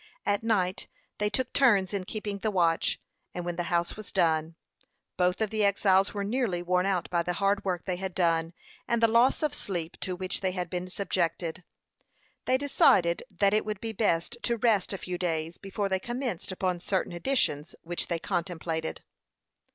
At night they took turns in keeping the watch; and when the house was done, both of the exiles were nearly worn out by the hard work they had done, and the loss of sleep to which they had been subjected. They decided that it would be best to rest a few days before they commenced upon certain additions which they contemplated.